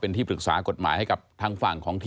ก็ไม่รู้ว่าฟ้าจะระแวงพอพานหรือเปล่า